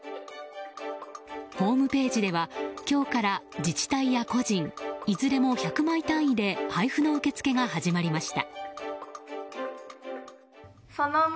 ホームページでは今日から自治体や個人いずれも１００枚単位で配布の受け付けが始まりました。